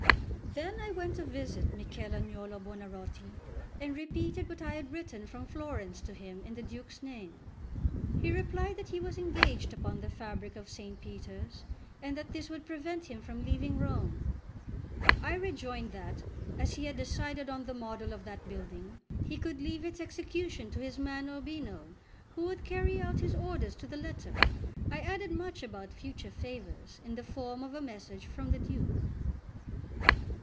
Then I went to visit Michel Agnolo Buonarroti, and repeated what I had written from Florence to him in the Duke's name. He replied that he was engaged upon the fabric of S. Peter's, and that this would prevent him from leaving Rome. I rejoined that, as he had decided on the model of that building, he could leave its execution to his man Urbino, who would carry out his orders to the letter. I added much about future favours, in the form of a message from the Duke.